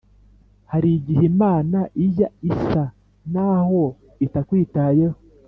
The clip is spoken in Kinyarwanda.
harigihe imana ijya isa naho itakwitayeho